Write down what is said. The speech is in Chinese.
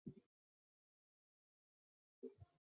不对人员采取隔离措施